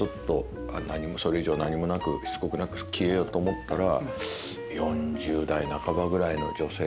それ以上何もなくしつこくなく消えようと思ったら。